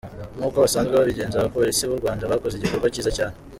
Nk’uko basanzwe babigenza, abapolisi b’u Rwanda bakoze igikorwa cyiza cyane.